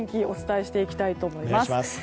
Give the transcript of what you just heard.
お伝えしていきたいと思います。